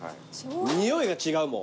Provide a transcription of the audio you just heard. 匂いが違うもん。